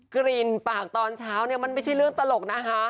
กลิ่นปากตอนเช้าเนี่ยมันไม่ใช่เรื่องตลกนะคะ